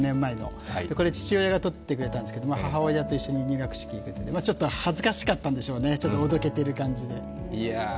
父親が撮ってくれたんですけれども母親と一緒に入学式、ちょっと恥ずかしかったんでしょうね、ちょっとおどけてる感じで。